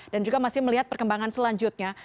dan juga masih melihat perkembangan selanjutnya